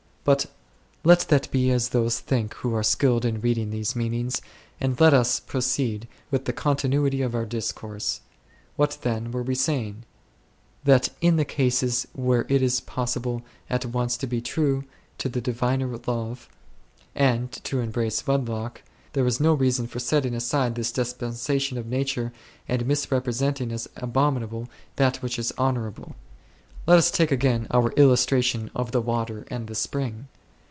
But let that be as those think who are skilled in reading these meanings, and let us proceed with the continuity of our discourse. What, then, were we saying ? That in the cases where it is possible at once to be true to the diviner love, and to embrace wedlock, there is no reason for setting aside this dispensation of nature and misrepresenting as abominable that which is honourable. Let us take again our illustration of the water and the spring.